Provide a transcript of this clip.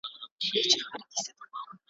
د بچو خالي ځالۍ ورته ښکاره سوه `